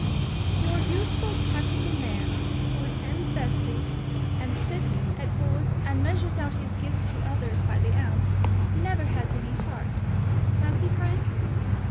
"Your useful, practical man, who attends vestries, and sits at Boards, and measures out his gifts to others by the ounce, never has any heart. Has he, Frank?"